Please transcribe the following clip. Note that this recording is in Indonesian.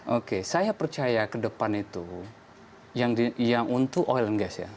oke saya percaya ke depan itu yang untuk oil and gas ya